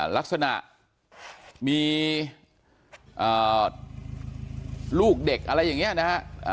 ลักษณะมีลูกเด็กอะไรอย่างนี้นะฮะ